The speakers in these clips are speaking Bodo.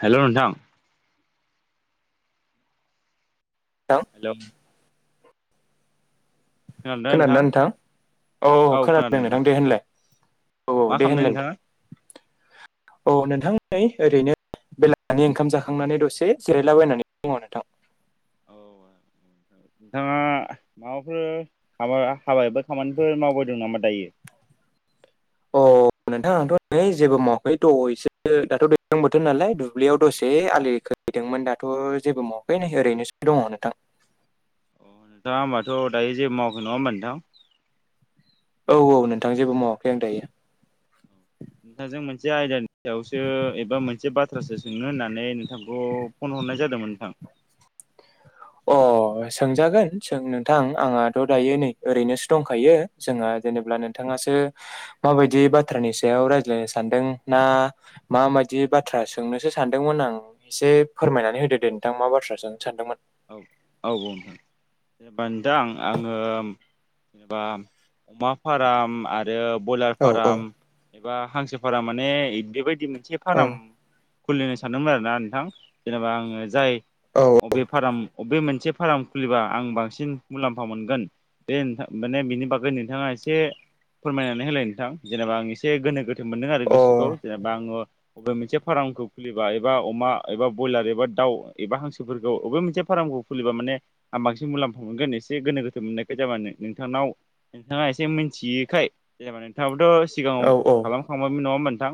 हेलौ नोंथां। नोंथां हेलौ। खोनादोंना नोंथां औ औ खोनादों दे नोंथां दे होनलाय। औ औ मा देहोनलाइड। खालामदों नोंथाङा [inaudible] औ नोंथां नै ओरैनो। बेलासिनि ओंखाम जाखांनानै दसे जिरायलाबायनानै दङ नोंथां उ नोंथाङा माबाफोर हाबा हाबा एबा खामानिफोर मावबोदों नामा दायो [inaudible] [unintelligible] औ नोंथां आंथ' नै जेबो मावाखै दहसो दाथ' दैज्लां बोथोर नालाय दुब्लियाव दसे आलि खो खोहैदोंमोन दाथ' जेबो मावाखै नै ओरैनोसो दङ नोंथां अ नोंथाङा होमबाथ' दायो जेबो मावखै नङा होनबा नोंथां औ औ नोंथां जेबो मावाखै आं दायो नोंथांजों मोनसे आयदानि सायावसो एबा मोनसे बाथ्रासो सोंनो होननानै नोंथांखौ फन हरनाय जादोंमोन नोंथां अ सोंजागोनों नोंथां आंहाथ' दायो नै ओरैनोसो दंखायो जोंहा जेनेबा नोंथाङा माबायदि बाथ्रानि सायाव रायज्लायनो सानदों ना माबायदि बाथ्रा सोंनोसो सानदोंमोन आं एसे फोरमायनानै होदो दे नोंथां मा बाथ्रा सोंनो सानदोंमोन औ औ बुं जेनेबा नोंथां आङो जेनेबा अमा फाराम आरो आरो ब्रयलार औ औ फाराम एबा हांसो फारम माने बेबायदि मोनसे औ फाराम खुलिनो सानदोंमोन आरोना नोंथां जेनेबा आङो जाय औ अ बबे बबे मोनसे फार्म खुलिबा आं बांसिन मुलाम्फा मोनगोन माने बिनि बागै नोंथाङा एसे फोरमायनानै होलाय नोंथां जेनेबा आं एसे गोनो गोथो मोनदों आरो गोसोखौ जेनेबा आङो बबे मोनसे फार्मखौ खुलिबा एबा अमा एबा ब्रयलार एबा दाउ एबा हांसोफोरखौ बबे मोनसे फारमखौ खुलिबा माने आं बांसिन मुलाम्फा मोनगोन एसे गोनो गोथो मोननायखाय नोंथांनाव नोंथाङा एसे मिथियैखाय जेनेबा नोंथाङाबोथ' सिगाङाव औ औ खालामखांबायमोन नङा होम नोंथां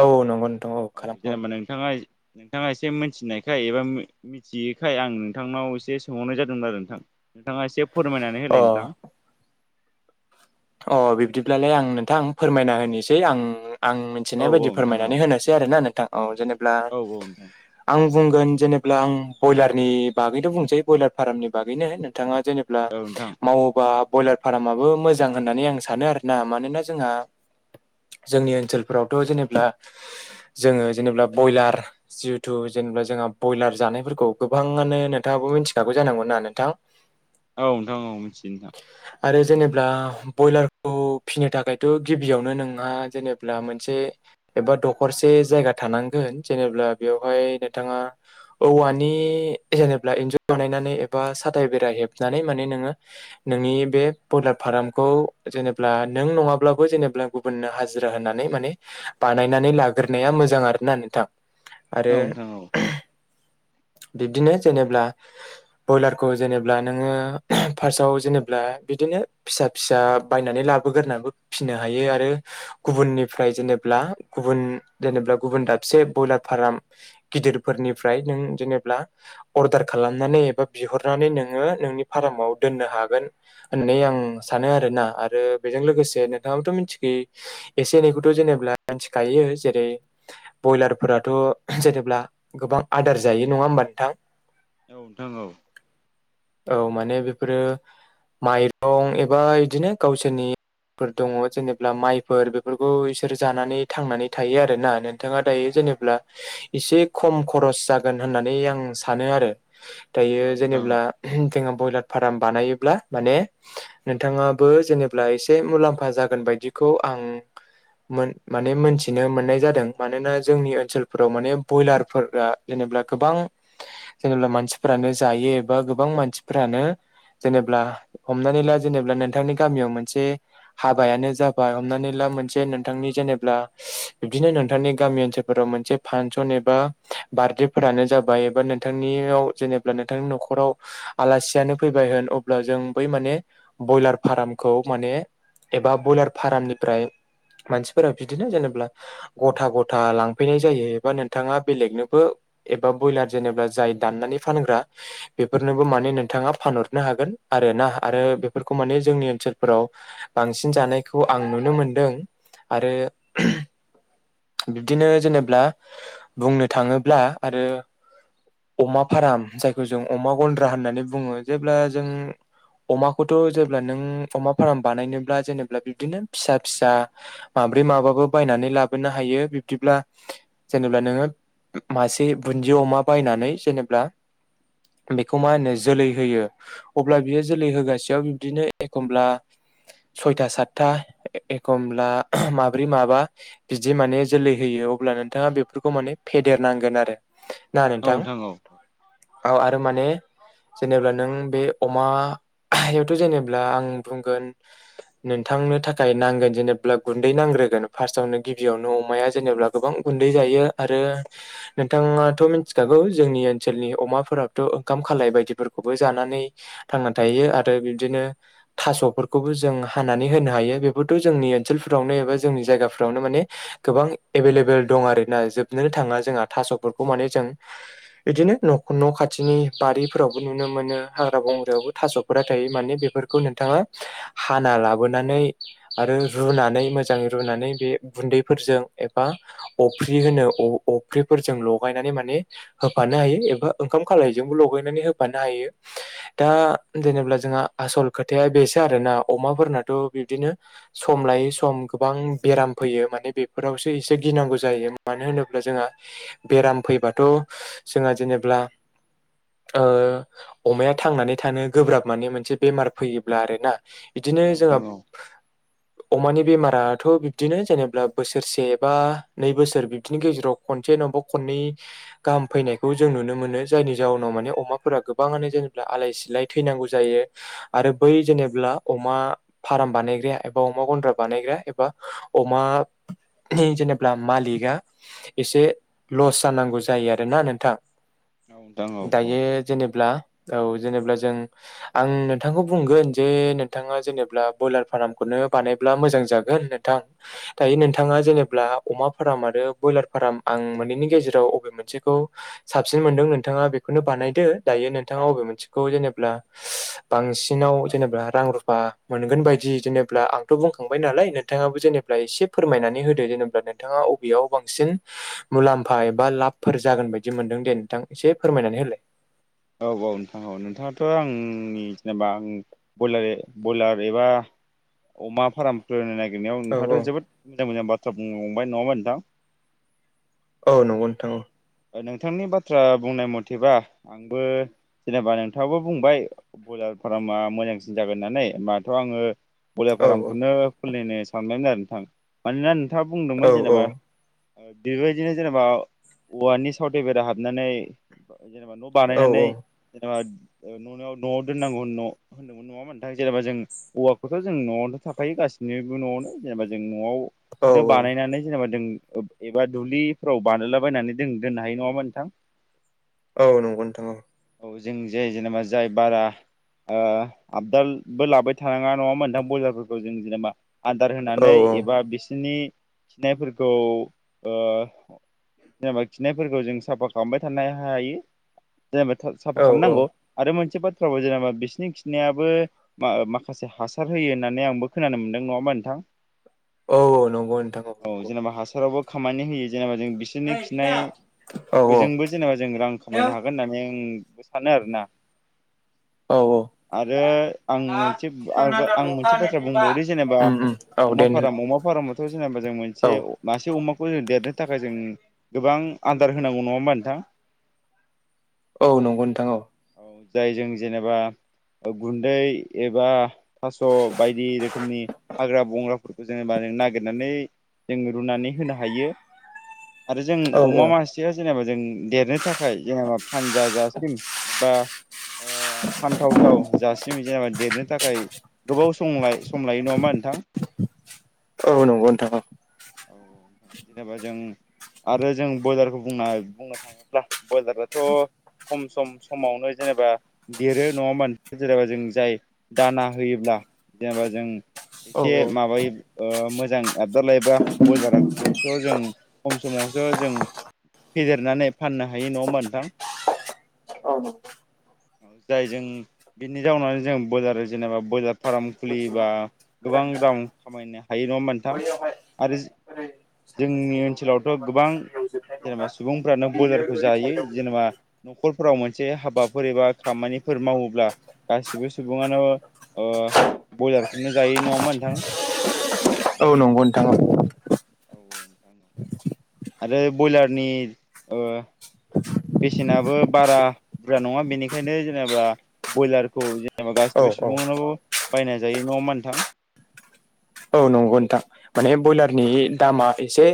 औ नंगौ नोंथां औ जेनेबा खालामखांबायमोन नोंथाङा नोंथाङा एसे मिथिनायखाय एबा मिथियैखाय आं नोंथांनाव एसे सोंहरनाय जादोंमोन आरो नोंथां नोंथाङा एसे फोरमायनानै आं अ होलाय नोंथां अ बिब्दिब्लालाय आं नोंथां फोरमायना होनोसै आं आं औ मिथिनाय बायदि नोंथां औ फोरमायनानै होनोसै आरोना नोंथां औ जेनेब्ला औ औ नोंथां आं बुंगोन जेनेबा आं बयलारनि बागैनो बुंसै बयलार फार्मनि बागैनो नोंथाङा जेनेबा औ नोंथां मावोबा बयलार फार्माबो मोजां मोजां होननानै आं सानो आरोना मानोना जोंहा जोंनि ओनसोलफोरावथ जेनेब्ला जोङो जेनेब्ला बयलार जिहेथु जेनेबा जोंहा बयलार जानायफोरखौ गोबाङानो नोंथाङाबो मिथिखागौ जानांगौ ना नोंथां औ नोंथां औ मिथियो आरो जेनेब्ला बयलारखौ फिसिनो थाखायथ गिबियावनो नोंहा जेनेब्ला मोनसे एबा दखरसे मोनसे जायगा थानांगोन जेनेबा बेयावहाय नोंथाङा औवानि जेनेब्ला एन्जुर बानायनानै एबा साथाय बेरा हेबनानै माने नोङो नोंनि बे बयलार फार्म खौ जेनेब्ला नों नङाब्लाबो जेनेब्ला गुबुननो हाजिरा होननानै माने बानायनानै ला गोरदनाया मोजां आरोना नोंथां आरो नोंथां औ नोंथां औ बिब्दिनो जेनेब्ब्ला बयलारखौ जेनेब्ला नोङो फार्स्टआव जेनेब्ला बिदिनो फिसा फिसा बायनानै लाबोगोरनाबो फिनो हायो आरो गुबुननिफ्राय जेने ब्ला गुबुन जेनेब्ला गुबुन दाबसे बयलार फाराम गिदिर फोरनिफ्राय नों जेनेबा अर्डार खालामनानै एबा बिहरनानै नोङो नोंनि फार्माव दोननो हागोन होननानै आं सानो आरोना आरो बेजों लोगोसे नोंथाङाबोथ मिथिखायो एसे एनैखौथ जेनेबा मिथिखायो जेरै बयलारफ्राथ जेनेब्ला गोबां आदार जायो जायो नङा होनबा नोंथां औ नोंथां औ औ माने बेफोरो माइरं एबा बिदिनो गावसोरनि फोर दङ जेनेबा माइफोर बेफोरखौ इसोर जानानै थांनानै थायो आरोना नोंथाङा दायो जेनेब्ला एसे खम खरस जाग होन्नानै आं सानो आरो दायो जेनेब्ला जोङो बइलार फार्म बानायोब्ला माने नोंथाङाबो जेनेब्ला एसे मुलाम्फा जागोन बायदिखौ आं आं क मोन माने मोनथिनो मोननाय जादों मानोना जोंनि ओनसोलफोराव माने बयलारफोरा जेनेबा गोबां जेनेब्ला मानसिफोरानो जायो एबा गोबां मानसिफोरानो जेनेब्ला हमनानै ला जेनेब्ला नोंथांनि गामियाव मोनसे हाबायानो जाबाय हमनानै ला बा मोनसे नोंथांनि जेनेबा बिदिनो नोंथांनि गामि ओनसोलफोराव मोनसे फांसन एबा बार्थडेफोरानो जाबाय एबा नोंथांनियाव जेनेबा नोंथांनि नखराव आलासियानो फैबाय होन अब्ला जों बै माने बयलार फार्मखौ माने एबा बयलार फार्मनिफ्राय मानसिफोरा बिदिनो जेनेबा गथा गथा लांफैनाय जायो एबा नोंथाङा बेलेगनो बो एबा बयलार जेनेबा जाय दाननानै फानग्रा बेफोरनोबो माने नोंथाङा फानहरनो हा गोन आरोना आरो बेफोरखौ माने जोंनि ओनसोलफोराव बांसिन जानायखौ आं नुनो मोनदों आरो बिब्दिनो जेनेब्ला बुंनो थाङोब्ला आरो अमा फार्म जायखौ जों अमा गन्द्रा होननानै बुङो जेब्ला जों अमाखौथ जेब्ला नों अमा फार्म बानायनोब्ला जेनेबा बिबदिनो फिसा फिसा माबा ब्रै माबाबो बायनानै लाबोनो हायो बिब्दिब्ला जेनेब्ला नोङो मासे बुन्दि अमा बायनानै जेनेबा बेखौ मा होनो जोलै होयो अब्ला बियो जोलै होगासेयाव बिब्दिनो एखमब्ला सयथा सातथा एखमब्ला माब्रै माबा बिदि माने जोलै होयो अब्ला नोंथाङा बेफोरखौ माने फेदेरनांगोन आरो औ नोंथां औ औ औ आरो माने जेनेब्ला नों बे अमा हायावथ' जेनेब्ला आं बुंगोन नोंथांनो थाखाय नांगोन जेनेब्ला गुन्दै नांग्रोगोन फार्स्टवनो। गिबियावनो अमाया जेनेबा गोबां गुन्दै जायो आरो नोंथाङाथ' मिथिखागौ जोंनि ओनसोलनि अमाफोराबोथ' ओंखाम खालाय बायदिफोरखौबो जानानै थांनानै थायो आरो बिबदिनो थास'फोरखौबो जों हानानै होनो हायो बेफोरथ' जोंनि ओनसोलफोरावनो एबा जोंनि जायगाफ्राव आवनो माने गोबां एभेलेबेल दं आरोना जोबनोनो थाङा जोंहा थास'फोरखौ माने जों बिदिनो नख-न' खाथिनि बारिफोरावबो नुनो मोनो हाग्रा बंग्रायावबो थास'फोरा थायो माने बेफोरखौ नोंथाङा हाना लाबोनानै आरो रुनानै मोजाङै रुनानै बे गुन्दैफोरजों एबा अफ्रि होनो अ-अफ्रिफोरजों लगायनानै माने होफा होफानो हायो एबा ओंखाम खालायजोंबो लगायनानै होफानो हायो दा जेनब्ला जोंहा आस' सल खोथाया बेसो आरोना अमाफोरनाथ' बिबदिनो सम लायै सम गोबां बेराम फैयो माने बेफोरावसो एसे गिनांगौ जायो मानो होनोब्ला जोंहा बेराम फैबाथ' जोंहा जेनेब्ला ओ अमाया थांनानै थानो गोब्राब माने मोनसे बेमार फैयोब्ला आरो ना। बिदिनो जोंहा अमानि बेमाराथ' बिदिनो जेनेबा बोसोरसे बा नै बोसोर बिब्दिनि गेजेराव खनसे नङाबा खननै गाहाम फैनायखौ जों नुनो मोनो जायनि जाउनाव माने अमाफोरा गोबाङानो जेनेबा आलाय सिलाय थैनांगौ जायो। आरो बै जेनेब्ला अमा फार्म बानायग्राया एबा अमा गन्द्रा बानायग्राया एबा अमा जेनेबा मालिकआ एसे लस जानांगौ जायो आरोना नोंथां। औ दायो जेनेब्ला औ जेनेब्ला जों आं नोंथांखौ बुंगोन जे नोंथाङा जेनेब्ला ब्रयलार फार्मखौनो बानायब्ला मोजां जागोन नोंथां। दायो नोंथाङा जेनेब्ला अमा फार्म आरो बयलार फार्म आं मोननैनि गेजेराव बबे मोनसेखौ साबसिन मोनदों नोंथाङा बेखौनो बानायदो दायो नोंथाङा बबे मोनसेखौ जेनेब्ला बांसिनाव जेनेबा रां रुफा मोनगोन बायदि जेनेब्ला आंथ' बुंखांबाय नालाय नोंथाङाबो जेनेबा एसे फोरमायनानै होदो जेनेब्ला नोंथाङा बबेयाव बांसिन मुलाम्फा एबा लाबफोर जागोन? बायदि मोनदों दे नोंथां एसे फोरमायनानै होलाय। औ औ नोंथाङा औ नोंथाङाथ' आंनि जेनेबा आं बयलार बयलार एबा अमा फारामफोर निरनायाव औ औ नोंथाङाथ' जोबोद मोजां मोजां बाथ्रा बुंनोलांबाय नङाबा नोंथां? औ नंगौ नोंथां। नोंथांनि बाथ्रा बुंनाय मथेबा आंबो जेनेबा नोंथाङावबो बुंबाय बयलार फार्मा मोजांसिन जागोन होननानै होनोमबाथ' आङो बयलार औ फारामखौनो खुलिनो सानबायमोन आरो नोंथां मानोना नोंथाङा औ बुंदोंमोन औ जेनेबा बेबायदिनो जेनेबा औवानि सावथे बेरा हाबनानै जेनेबा न' औ बानायनानै जेनेबा न'आव न'आव दोननांगौ न होनदों नङा होनबा नोंथां जेनेबा जों औवाखौथ' जों न'आवथ' थाखायो गासैबो गास सिनिबो न'आवनो जेनेबाजों औ न'आवनो बानायनानै जेनेबा जों एबा दुब्लिफोराव बानायलाबायनानै जों दोननो हायो नङा होनबा नोंथां? औ नंगौ नोंथां औ। औ जों जे जेनेबा जाय बारा ओ आबदालबो लाबाय थानाङा नङा होनबा नोंथां बयलारफोरखौ जों जेनेबा आदार औ होनानै एबा बिसोरनि खिनायफोरखौ ओ जेनेबा खिनायफोरखौ जों साफा खालामबाय थानो हायो जेनेबा साफा औ औ खालामनांगौ आरो मोनसे मोनसे बाथ्राबो जेनेबा बिसिनि खिनायाबो माखासे हासार होयो होननानै आंबो खोनानो मोनदों नङा होमबा। ओनथां औ औ नंगौ ओनथां औ नंगौ। खामानि होयो जेनेबा जों ओइ बिदाव औ औ खिनायजोंबो जेनेबा जों रां हेलौ खामायनो हागोन होननानै आं सानो आरोना। औ औ। आरो आं दा मोनसे थिसनना दोन आं अखा मोनसे बाथ्रा हानोसैबा बुंबावोदि जेनेबा उम उम औ दे अमा फार्म अमा फार्म जों औ मोनसे मासे अमाखौ जों देरनो थाखाय जों गोबां आदार होनांगौ नङा होमबा नोंथां? औ नंगौ नोंथां औ। जाय जों जेनेबा गुन्दै एबा थास' बायदि रोखोमनि हाग्रा बंग्राफोरखौ जोङो मानो नागिरनानै जों रुनानै होनो हायो। आरो जों औ अमा औ मासेया जेनेबा जों देरनो थाखाय थाखाय जेनेबा फानजाजासिम एबा ओ फानथावथाव जासिम जेनबा देरनो थाखाय गोबाव सम सम लाय। नङामा नोंथां? औ नंगौ नोंथां औ औ जेनेबा जों आरो जों बयलारखौ बुंना बुंनो थाङोब्ला बयलाराथ' खम सम समावनो जेनेबा देरो नङा होनबा जेनेबा जों जाय दाना होयोब्ला जेनेबा जों औ एसे औ माबायो ओ मोजां आबदाल लायोबा बयलारखौथ' जों खम समावसो जों फेदेरनानै फाननो हायो। नङा होमबा नोंथां औ। जाय जों बिनि जाउनाव जों बयलार जेनेबा बयलार फार्म खुलियोबा गोबां रां खामायनो हायो। नङा होनबा नोंथां? आरो जोंनि [inaudible] ओनसोलावथ' माबा गोबां दं जोबनाय दंना जेनेबा सुबुंफ्रानो बेयो ब्रयलारखौ ओरै जायो साइदाव जेनेबा न'खर फोराव मोनसे हाबाफोर एबा खामानिफोर मावोब्ला गासिबो सुबुङानो ओ ब्रयलारखौनो जायो नङामा नोंथां? औ नंगौ नोंथां। [inaudible] आरो बयलारनि ओ बेसेनाबो बारा बुरजा नङा बेनिखायनो जेनेबा ब्रयलारखौ जेनेबा औ गासिबो औ सुबुङानो बायना जायो। नङा होनबा नोंथां? औ नंगौ नोंथां माने औ ब्रयलारनि दामा एसे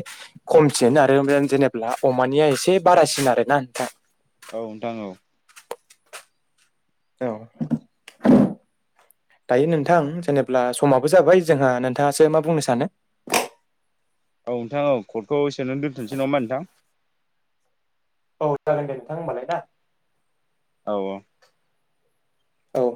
खमसिन आरो ओ जेनेब्ला अमानिया एसे बारासिन आरो ना नोंथां। औ नोंथां औ। औ। दायो नोंथां जेनेब्ला समाबो जाबाय जोंहा नोंथाङासो मा बुंनो सानो? [inaudible] औ नोंथां कटखौ एसेनो दोनथ'सै नामा नोंथां? औ जागोन दे नोंथां होनबालाय ना। औ औ। औ